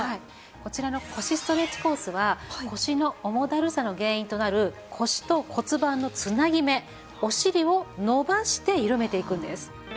こちらの腰ストレッチコースは腰の重だるさの原因となる腰と骨盤の繋ぎ目お尻を伸ばして緩めていくんです。